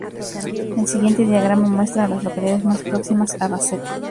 El siguiente diagrama muestra a las localidades más próximas a Bassett.